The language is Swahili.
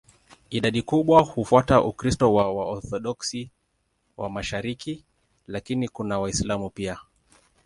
Idadi kubwa hufuata Ukristo wa Waorthodoksi wa mashariki, lakini kuna Waislamu pia.